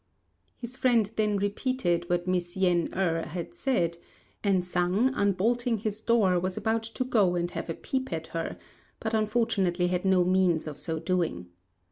His friend then repeated what Miss Yen êrh had said; and Sang, unbolting his door, was about to go and have a peep at her, but unfortunately had no means of so doing.